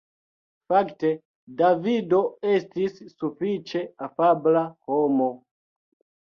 Fakte Davido estis sufiĉe afabla homo.